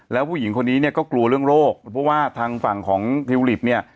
แล้วผู้หญิงคนนี้เนี่ยก็กลัวเรื่องโรคเพราะว่าทางฝั่งของทิวลิปเนี่ย